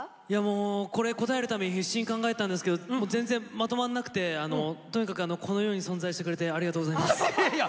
これ答えるために必死に考えたんですけど全然まとまらなくて、とにかくこの世に存在してくれてありがとうございます。